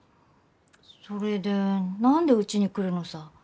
それで何でうちに来るのさ？